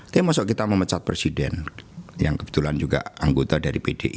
tapi maksud kita memecat presiden yang kebetulan juga anggota dari bdi